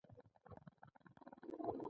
د سیالۍ دوام دوی ته هېڅ زیان نه رسولو